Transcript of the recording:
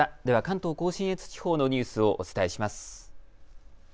では関東甲信越地方のニュースをお伝えします。